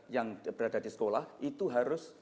yang berada di sekolah itu harus